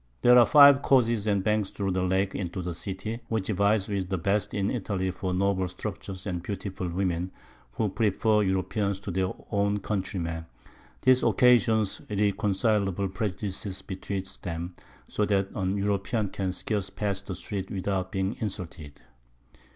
There are 5 Causeys or Banks through the Lake into the City, which vies with the best in Italy for noble Structures and beautiful Women, who prefer Europeans to their own Country men; this occasions irreconcilable Prejudices betwixt them, so that an European can scarce pass the Streets without being insulted.